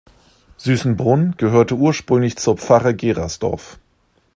Süßenbrunn gehörte ursprünglich zur Pfarre Gerasdorf.